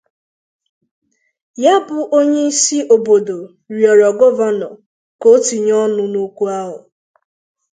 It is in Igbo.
ya bụ onyeisi obodo rịọrọ Gọvanọ ka o tinye ọnụ n'okwu ahụ